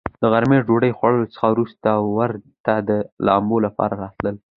د غرمې ډوډوۍ خوړلو څخه ورورسته رود ته د لمبو لپاره راتلل.